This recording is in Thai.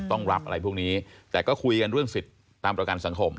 ต้องรับอะไรพวกนี้แต่ก็คุยกันเรื่องสิทธิ์ตามประกันสังคม